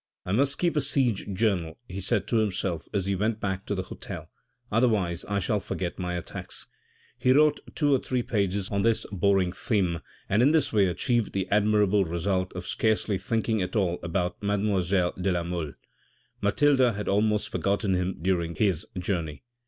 " I must keep a siege journal," he said to himself as he went back to the hotel, " otherwise I shall forget my attacks." He wrote two or three pages on this boring theme, and in this way achieved the admirable result of scarcely thinking at all about mademoiselle de la Mole. Mathilde had almost forgotten him during his journey.